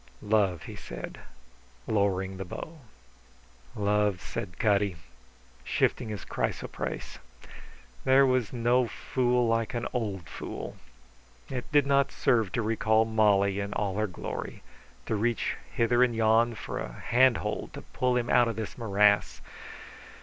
] "Love," he said, lowering the bow. "Love," said Cutty, shifting his chrysoprase. There was no fool like an old fool. It did not serve to recall Molly in all her glory, to reach hither and yon for a handhold to pull him out of this morass.